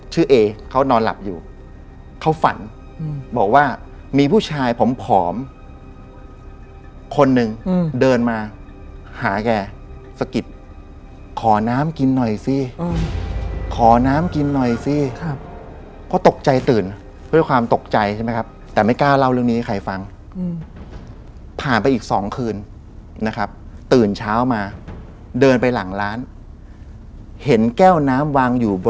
หรือว่าจะรู้สึกอะไรแบบนี้ได้ง่าย